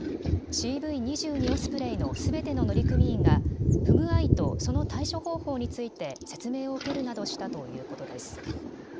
オスプレイのすべての乗組員が不具合とその対処方法について説明を受けるなどしたということです。